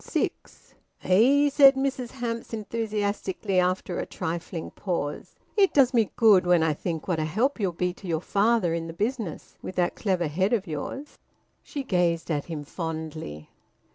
SIX. "Eh!" said Mrs Hamps enthusiastically, after a trifling pause. "It does me good when I think what a help you'll be to your father in the business, with that clever head of yours." She gazed at him fondly.